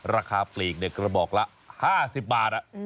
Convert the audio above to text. ราคาปลีกกระบอกละ๕๐บาท